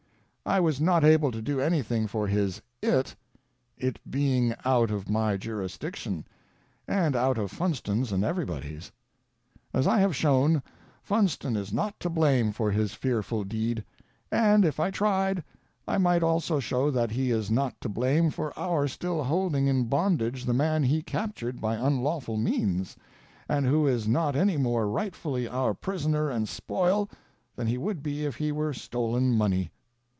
I was not able to do anything for his It, It being out of my juris diction, and out of Funston's and everybody's. As I have shown, Funston is not to blame for his fearful deed; and, if I tried, I might also show that he is not to blame for our still holding in bondage the man he captured by unlawful means, and who is not any more rightfully our prisoner and spoil than he would be if he were stolen money.